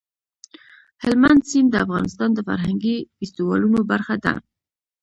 هلمند سیند د افغانستان د فرهنګي فستیوالونو برخه ده.